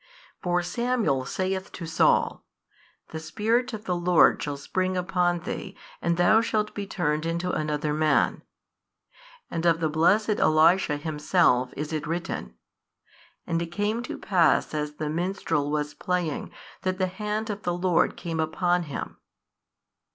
For Samuel saith to Saul, The Spirit of the Lord shall spring upon thee and thou shalt be turned into another man, and of the blessed Elisha himself is it written, And it came to pass as the minstrel was playing that the hand of the Lord came upon him.